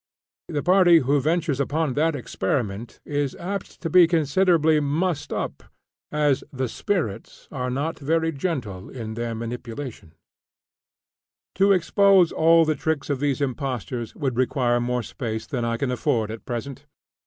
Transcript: The party who ventures upon that experiment is apt to be considerably "mussed up," as "the spirits" are not very gentle in their manipulations. To expose all the tricks of these impostors would require more space than I can afford at present.